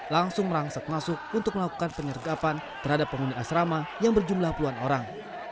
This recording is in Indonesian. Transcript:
langsung merangsak masuk untuk melakukan penyergapan terhadap penghuni asrama yang berjumlah puluhan orang